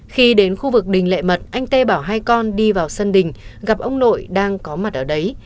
khi đến khu vực đình lệ mật anh tê bảo hai con đi vào sân đình gặp ông nội đang có mặt ở đấy